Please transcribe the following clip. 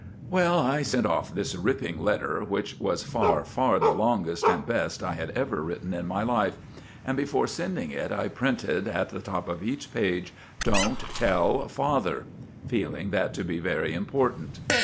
Well, I sent off this ripping letter, which was far, far the longest and best I had ever written in my life; and before sending it I printed at the top of each page, "Don't tell father," feeling that to be very important.